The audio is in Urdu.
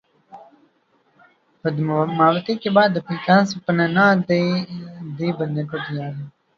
پدماوتی کے بعد دپیکا سپننا دی دی بننے کو تیار